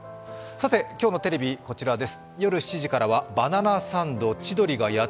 今日のテレビ、こちらです。